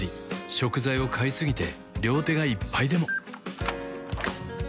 食材を買いすぎて両手がいっぱいでも